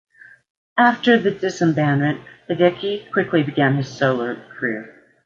After the disbandment Hideki quickly begin his solo career.